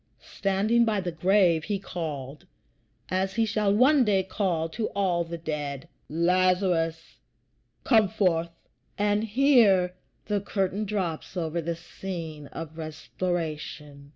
Standing by the grave he called, as he shall one day call to all the dead, "Lazarus, come forth!" And here the curtain drops over the scene of restoration.